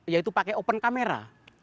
yaitu pakai open camera